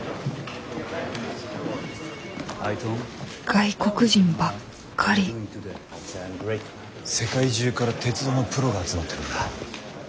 外国人ばっかり世界中から鉄道のプロが集まってるんだ。